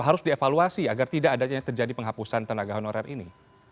harus dievaluasi agar tidak ada yang terjadi penghapusan tenaga honorer ini